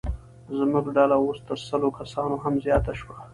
زموږ ډله اوس تر سلو کسانو هم زیاته شوه.